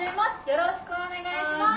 よろしくお願いします。